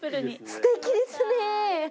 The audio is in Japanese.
すてきですね。